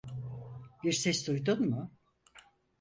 Bir ses duydun mu?